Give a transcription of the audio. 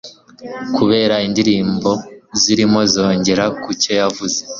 kubera indirimbo zirimo 'nzogera ku cyo yavuze'